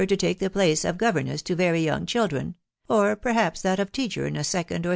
to >ttke »the<place of governess to very young children, or perhaps thattjf teacher tnxa jeeaDdi«r.